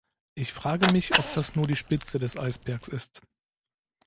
Ich frage mich, ob das nur die Spitze des Eisbergs ist.